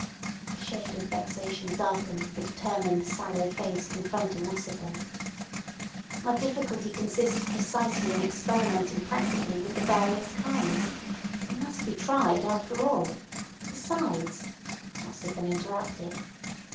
A shade of vexation darkened the determined sallow face confronting Ossipon. "My difficulty consists precisely in experimenting practically with the various kinds. They must be tried after all. Besides—" Ossipon interrupted.